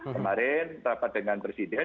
kemarin rapat dengan presiden